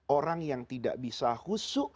orang yang tidak bisa husuk